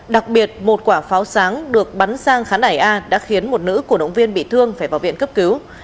đặc biệt một quả pháo sáng được bắn sang khán đài a đã khiến một nữ cổ động viên bị thương phải vào viện cấp cứu